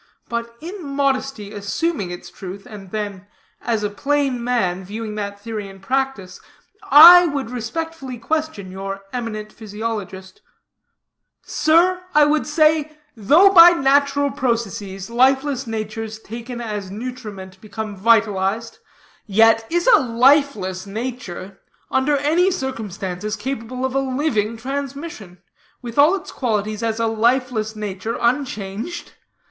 But in modesty assuming its truth, and then, as a plain man viewing that theory in practice, I would respectfully question your eminent physiologist: 'Sir,' I would say, 'though by natural processes, lifeless natures taken as nutriment become vitalized, yet is a lifeless nature, under any circumstances, capable of a living transmission, with all its qualities as a lifeless nature unchanged?